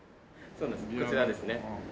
こちらですね。